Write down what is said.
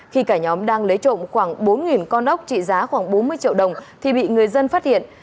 khi cả nhóm đang lấy trộm khoảng bốn con ốc trị giá khoảng bốn mươi triệu đồng thì bị người dân phát hiện